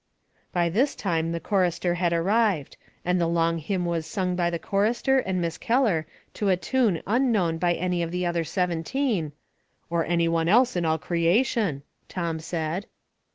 By this time the chorister had arrived, and the long hymn was sung by the chorister and Miss Keller to a tune unknown by any of the other seventeen, " or anybody else in all creation," Tom said.